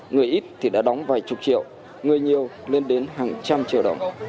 người ít thì đã đóng vài chục triệu người nhiều lên đến hàng trăm triệu đồng